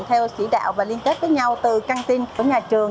theo sĩ đạo và liên kết với nhau từ căn tin của nhà trường